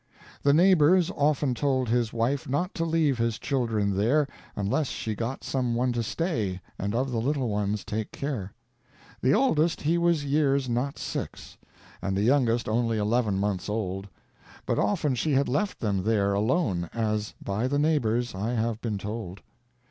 The neighbors often told his wife Not to leave his children there, Unless she got some one to stay, And of the little ones take care. The oldest he was years not six, And the youngest only eleven months old, But often she had left them there alone, As, by the neighbors, I have been told.